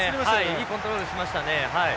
はいいいコントロールしましたね。